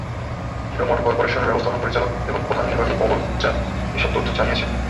Hero মোটোকরপোরেশনের ব্যবস্থাপনা পরিচালক এবং প্রধান নির্বাহী পবন মুনজাল এসব তথ্য জানিয়েছেন।